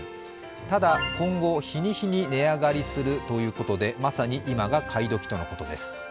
ただ、今後、日に日に値上がりするということで、まさに今が買い時とのことです。